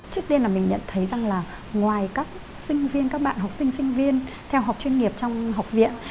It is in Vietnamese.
trước tiên là mình nhận thấy rằng là ngoài các sinh viên các bạn học sinh sinh viên theo học chuyên nghiệp trong học viện